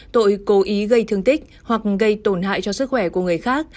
tội cố ý gây thương tích hoặc gây tổn hại cho sức khỏe của người khác